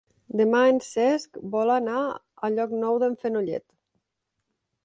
Demà en Cesc vol anar a Llocnou d'en Fenollet.